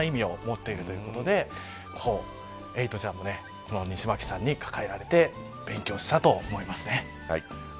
非常に重要な意味を持っているということでエイトちゃんも西巻さんに抱えられて勉強したと思いますね。